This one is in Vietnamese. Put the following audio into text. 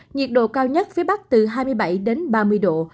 nhiệt độ cao nhất phía bắc từ hai mươi bảy đến ba mươi độ